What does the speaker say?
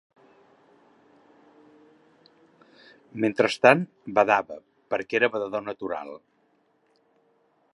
Mentrestant, badava, perquè era badador natural